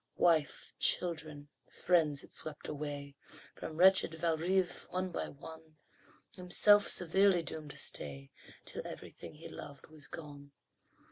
Wife, children, friends, it swept away From wretched Valrive, one by one, Himself severely doomed to stay Till everything he loved was gone.